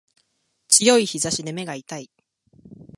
強い日差しで目が痛い